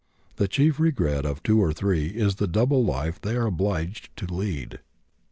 The chief regret of 2 or 3 is the double life they are obliged to lead.